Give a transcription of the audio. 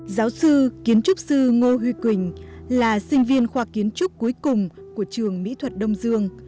giáo sư kiến trúc sư ngô huy quỳnh là sinh viên khoa kiến trúc cuối cùng của trường mỹ thuật đông dương